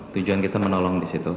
tujuan kita menolong disitu